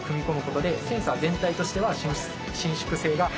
センサー全体としては伸縮性が。